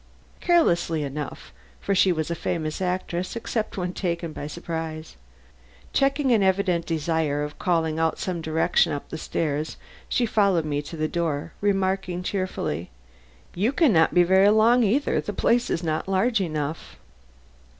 Carelessly enough, for she was a famous actress except when taken by surprise. Checking an evident desire of calling out some direction up stairs, she followed me to the door, remarking cheerfully, "You can not be very long either; the place is not large enough."